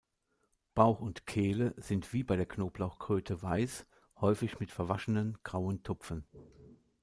Bauch und Kehle sind wie bei der Knoblauchkröte weiß, häufig mit „verwaschenen“ grauen Tupfen.